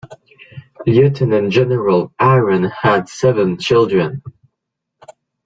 Lieutenant General Aaron had seven children.